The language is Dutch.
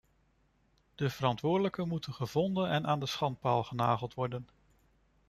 De verantwoordelijken moeten gevonden en aan de schandpaal genageld worden.